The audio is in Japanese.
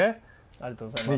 ありがとうございます。